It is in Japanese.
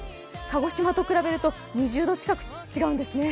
鹿児島と比べると２０度近く違うんですね。